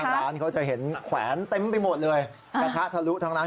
ร้านเขาจะเห็นแขวนเต็มไปหมดเลยกระทะทะลุทั้งนั้น